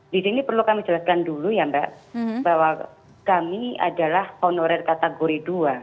di sini perlu kami jelaskan dulu ya mbak bahwa kami adalah honorer kategori dua